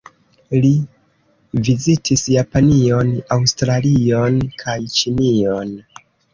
Li vizitis Japanion, Aŭstralion kaj Ĉinion.